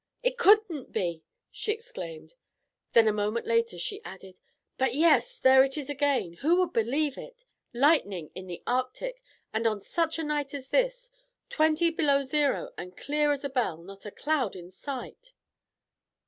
"It couldn't be!" she exclaimed. Then, a moment later, she added: "But, yes—there it is again. Who would believe it? Lightning in the Arctic, and on such a night as this. Twenty below zero and clear as a bell! Not a cloud in sight."